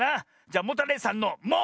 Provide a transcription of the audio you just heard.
じゃモタレイさんの「モ」！